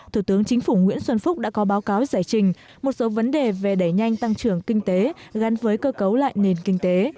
thủ tướng chính phủ nguyễn xuân phúc đã có báo cáo giải trình một số vấn đề về đẩy nhanh tăng trưởng kinh tế gắn với cơ cấu lại nền kinh tế